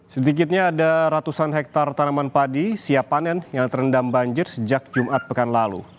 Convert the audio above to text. sedikitnya ada ratusan hektare tanaman padi siap panen yang terendam banjir sejak jumat pekan lalu